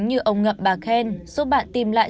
như ông ngậm bà khen giúp bạn tìm lại